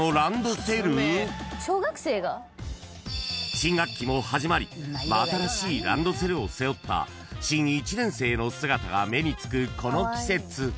［新学期も始まり真新しいランドセルを背負った新１年生の姿が目につくこの季節］